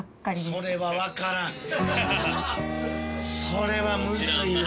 それはむずいわ。